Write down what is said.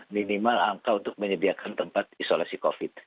minimal angka untuk menyediakan tempat isolasi covid